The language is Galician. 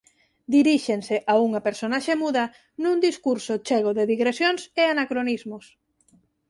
Diríxense a unha personaxe muda nun discurso chego de digresións e anacronismos.